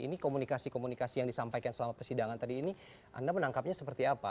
ini komunikasi komunikasi yang disampaikan selama persidangan tadi ini anda menangkapnya seperti apa